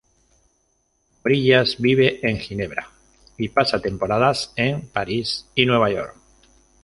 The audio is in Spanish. Morillas vive en Ginebra, y pasa temporadas en París y Nueva York.